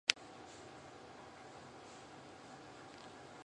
In the end the Election Commission recognized the Th.